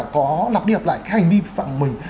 có lặp điệp lại cái hành vi vi phạm của mình